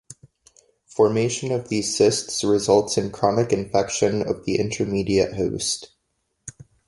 Formation of these cysts results in chronic infection of the intermediate host.